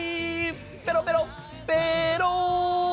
ペロペロ、ペーロー！